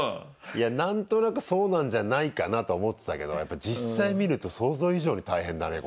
いや何となくそうなんじゃないかなとは思ってたけどやっぱり実際見ると想像以上に大変だね